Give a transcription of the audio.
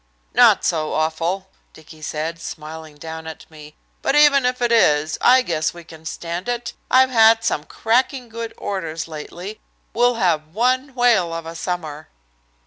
"Not so awful," Dicky said, smiling down at me. "But even if it is, I guess we can stand it. I've had some cracking good orders lately. We'll have one whale of a summer."